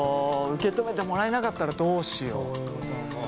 受け止めてもらえなかったらどうしよう。